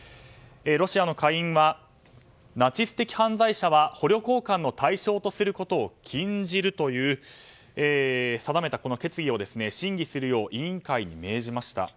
ロシアの下院はナチス的犯罪者は捕虜交換の対象とすることを禁じるという定めた決議を審議するよう委員会に命じました。